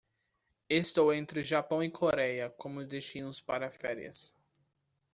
Estou entre Japão e Coreia como destinos para férias.